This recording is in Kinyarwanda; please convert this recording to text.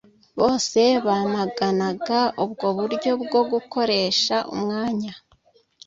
bose bamaganaga ubwo buryo bwo gukoresha umwanya